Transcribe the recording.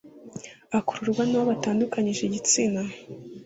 akururwa n'uwo batandukanyije igitsina